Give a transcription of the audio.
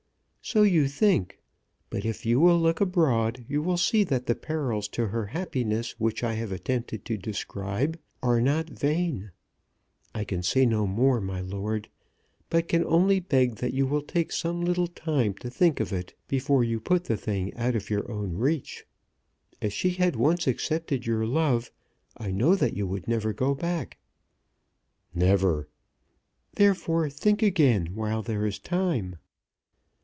"So you think; but if you will look abroad you will see that the perils to her happiness which I have attempted to describe are not vain. I can say no more, my lord, but can only beg that you will take some little time to think of it before you put the thing out of your own reach. If she had once accepted your love I know that you would never go back." "Never." "Therefore think again while there is time."